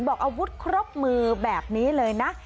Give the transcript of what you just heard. บอกอาวุธครบมือแบบนี้เลยนะ